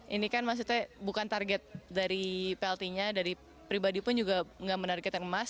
ini kan maksudnya bukan target dari plt nya dari pribadi pun juga nggak menargetkan emas